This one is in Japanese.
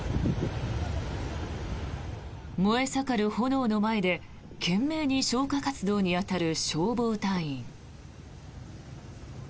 燃え盛る炎の前で、懸命に消火活動に当たる消防隊員。